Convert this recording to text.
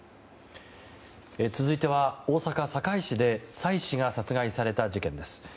続いては、大阪・堺市で妻子が殺害された事件です。